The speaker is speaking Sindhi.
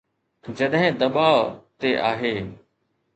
جڏهن دٻاء تي آهي.